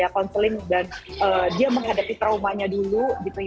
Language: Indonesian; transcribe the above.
konseling dan dia menghadapi traumanya dulu